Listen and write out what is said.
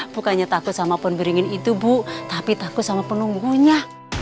bukannya takut sama pohon beringin itu bu tapi takut sama penunggunya